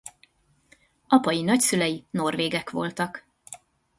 Apai nagyszülei norvégek voltak.